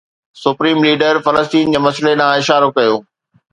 supreme leader فلسطين جي مسئلي ڏانهن اشارو ڪيو